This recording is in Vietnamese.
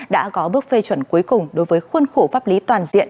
đã có bước phê chuẩn cuối cùng đối với khuôn khổ pháp lý toàn diện